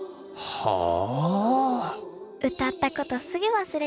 はあ。